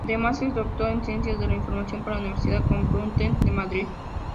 Además, es doctor en Ciencias de la Información por la Universidad Complutense de Madrid.